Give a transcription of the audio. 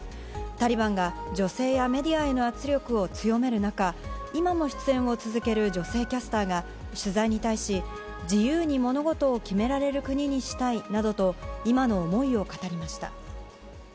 タリバンが女性やメディアへの圧力を強める中、今も出演を続ける女性キャスターが取材に対し、自由に物事を決められる国にしたいなどと、今の思いを語りました。